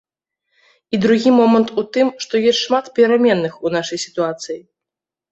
І другі момант у тым, што ёсць шмат пераменных у нашай сітуацыі.